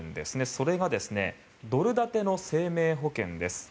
それがドル建ての生命保険です。